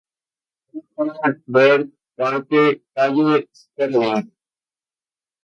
Big Air, Vert, Parque, Calle, scootering.